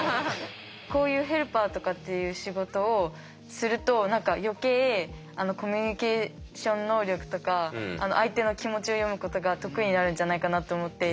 こういうヘルパーとかっていう仕事をすると何か余計コミュニケーション能力とか相手の気持ちを読むことが得意になるんじゃないかなと思って。